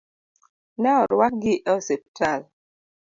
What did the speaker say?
Ne orwakgi e osiptal.